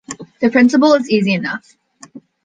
The principle is easy enough.